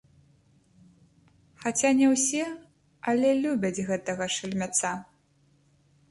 Хаця не ўсе, але любяць гэтага шальмяца.